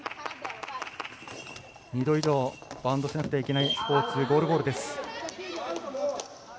２度以上バウンドしなくてはいけないスポーツゴールボールです。